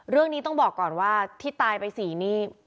เรื่องนี้ต้องบอกก่อนว่าที่ตายไป๔นี่